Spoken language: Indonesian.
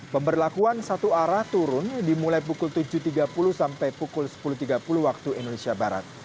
pemberlakuan satu arah turun dimulai pukul tujuh tiga puluh sampai pukul sepuluh tiga puluh waktu indonesia barat